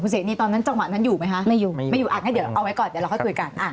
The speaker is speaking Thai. คุณเสนีตอนนั้นจังหวะนั้นอยู่ไหมคะ